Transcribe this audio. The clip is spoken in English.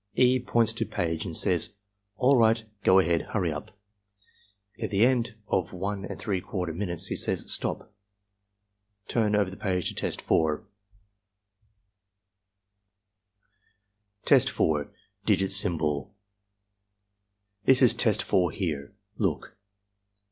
E. points to page and says, "All right. Go ahead. Hurry up!" At end of I'/i minutes he says, "Stop! Turn over the page to Test 4." Test 4.— Digit Symbol "This is Test 4 here. Look."